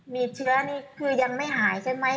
มีเชื้อนี่คือยังไม่หายใช่ไหม